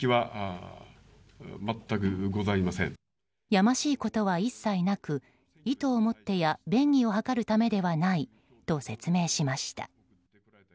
やましいことは一切なく意図をもってや便宜を図るためではないと説明しました。